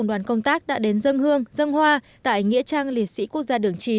đoàn công tác đã đến dân hương dân hoa tại nghĩa trang liệt sĩ quốc gia đường chín